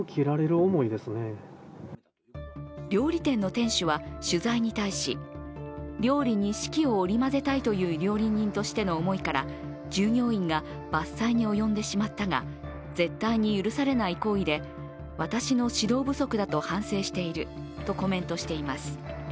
料理店の店主は取材に対し、料理に四季を織り交ぜたいという料理人としての思いから従業員が伐採に及んでしまったが絶対に許されない行為で私の指導不足だと反省しているとコメントしています。